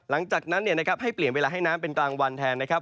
หลังจากนั้นให้เปลี่ยนเวลาให้น้ำเป็นกลางวันแทนนะครับ